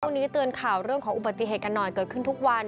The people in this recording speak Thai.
นี้เตือนข่าวเรื่องของอุบัติเหตุกันหน่อยเกิดขึ้นทุกวัน